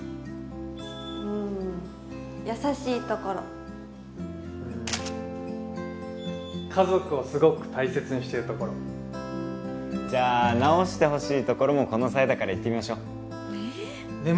うん優しいところうん家族をすごく大切にしてるところじゃあ直してほしいところもこの際だから言ってみましょえちょ